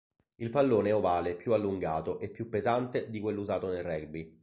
Il pallone è ovale, più allungato e più pesante di quello usato nel rugby.